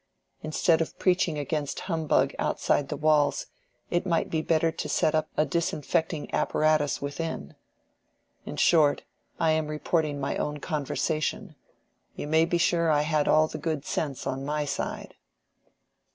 Instead of preaching against humbug outside the walls, it might be better to set up a disinfecting apparatus within. In short—I am reporting my own conversation—you may be sure I had all the good sense on my side."